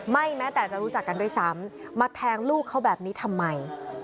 แม้แต่จะรู้จักกันด้วยซ้ำมาแทงลูกเขาแบบนี้ทำไม